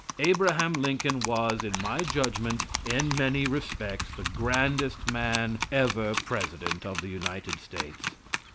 Abraham Lincoln was, in my judgment, in many respects, the grandest man ever president of the United States.